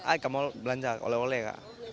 ayo kak mau belanja oleh oleh kak